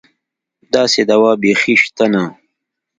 داسې دوا بېخي شته نه.